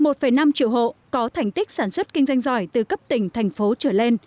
một năm triệu hộ có thành tích sản xuất kinh doanh giỏi từ cấp tỉnh thành phố trở lên